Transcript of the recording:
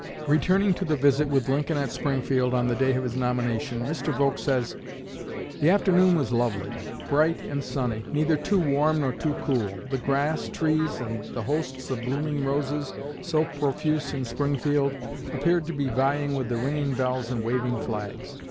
Returning to the visit with Lincoln at Springfield on the day of his nomination, Mr. Volk says. "The afternoon was lovely bright and sunny, neither too warm nor too cool; the grass, trees, and the hosts of blooming roses, so profuse in Springfield, appeared to be vying with the ringing bells and waving flags.